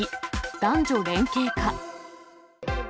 男女連携か。